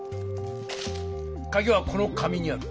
カギはこの紙にある。